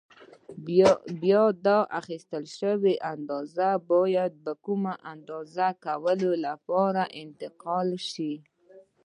بیا دا اخیستل شوې اندازه باید د اندازه کولو لپاره انتقال کړای شي.